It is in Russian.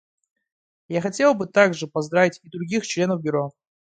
Я хотела бы также поздравить и других членов Бюро.